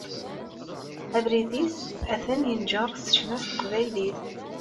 Abrid-is yenǧer ar ccna s teqbaylit.